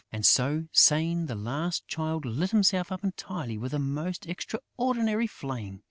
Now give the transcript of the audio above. And, so saying, the last Child lit himself up entirely with a most extraordinary flame.